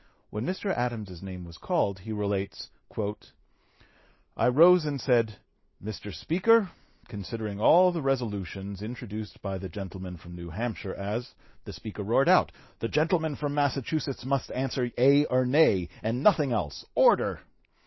When Mr. Adams's name was called, he relates: "I rose and said, 'Mr. Speaker, considering all the resolutions introduced by the gentleman from New Hampshire as' The Speaker roared out, 'The gentleman from Massachusetts must answer Aye or No, and nothing else. Order!'